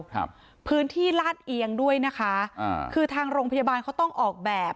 อย่างเดียวพื้นที่ลาดเอียงด้วยนะคะคือทางโรงพยาบาลเขาต้องออกแบบ